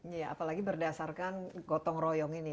iya apalagi berdasarkan gotong royong ini